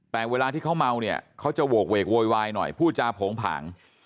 แต่เวลาที่เขาเมาเนี่ยเขาจะโหกเวกโวยวายหน่อยพูดจาโผงผาง